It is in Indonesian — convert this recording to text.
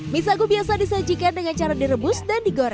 misago biasa disajikan dengan cara direbus dan digoreng